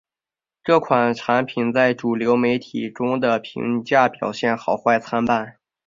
这款产品在主流媒体中的评价表现好坏参半。